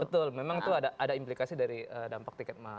betul memang itu ada implikasi dari dampak tiket